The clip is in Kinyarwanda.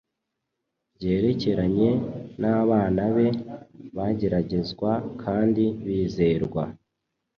byerekeranye n’abana be bageragezwa kandi bizerwa.